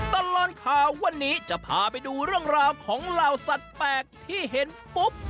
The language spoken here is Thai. ตลอดข่าววันนี้จะพาไปดูเรื่องราวของเหล่าสัตว์แปลกที่เห็นปุ๊บ